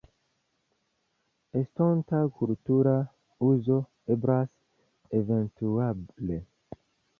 Estonta kultura uzo eblas eventuale.